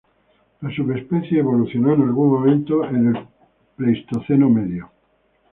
La subespecie evolucionó en algún momento en el Pleistoceno medio.